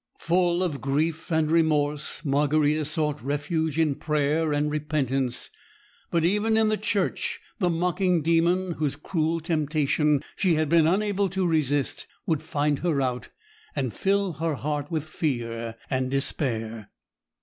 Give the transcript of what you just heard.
Full of grief and remorse, Margarita sought refuge in prayer and repentance; but even in the church, the mocking Demon, whose cruel temptation she had been unable to resist, would find her out, and fill her heart with fear and despair.